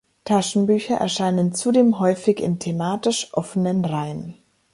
Taschenbücher erscheinen zudem häufig in thematisch offenen Reihen.